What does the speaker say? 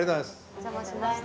お邪魔しました。